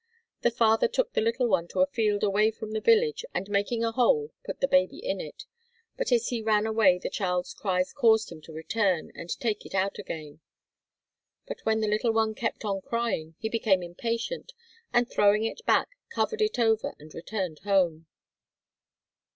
The father took the little one to a field away from the village and making a hole put the baby into it, but as he ran away the child's cries caused him to return and take it out again, but when the little one kept on crying he became impatient and throwing it back, covered it over and returned home.